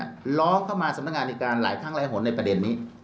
ทำให้นายบอสล้อเข้ามาสำนักงานอิการหลายครั้งละหลนนี่